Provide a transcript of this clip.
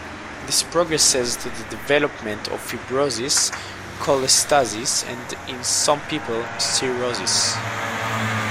This progresses to the development of fibrosis, cholestasis and, in some people, cirrhosis.